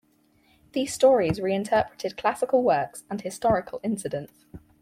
These stories reinterpreted classical works and historical incidents.